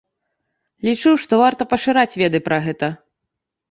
Лічу, што варта пашыраць веды пра гэта.